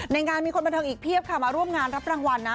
ในงานมีคนมาทำอีกเพียบค้ามาร่มงานรับรางวัลนะ